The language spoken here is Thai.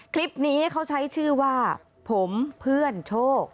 คลิปนี้เขาใช้ชื่อว่าผมเพื่อนโชค